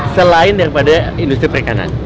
selain daripada industri perikanan